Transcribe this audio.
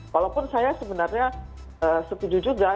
walaupun saya sebenarnya setuju juga